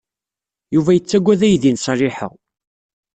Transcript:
Yuba yettaggad aydi n Ṣaliḥa.